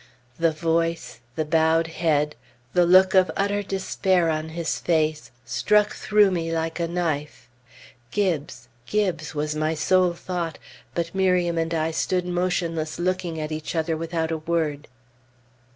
The voice, the bowed head, the look of utter despair on his face, struck through me like a knife. "Gibbes! Gibbes!" was my sole thought; but Miriam and I stood motionless looking at each other without a word.